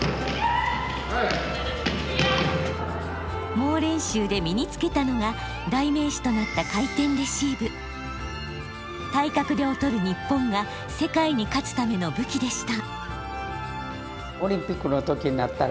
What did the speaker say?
猛練習で身につけたのが代名詞となった体格で劣る日本が世界に勝つための武器でした。